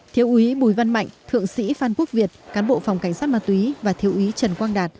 thiếu úy bùi văn mạnh thượng sĩ phan quốc việt cán bộ phòng cảnh sát ma túy và thiếu úy trần quang đạt